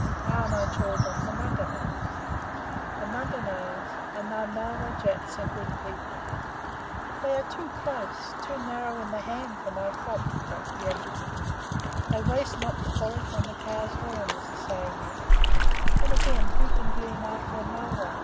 Aha! my children, the Mugger knows the Mugger knows and my Malwah Jats are a good people!" "They are too close too narrow in the hand for my crop," croaked the Adjutant. "They waste not the polish on the cow's horn, as the saying is; and, again, who can glean after a Malwai?"